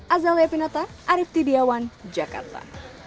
azalea pinata arief tidiawan jakarta